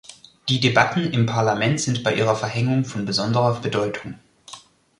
Die Debatten im Parlament sind bei ihrer Verhängung von besonderer Bedeutung.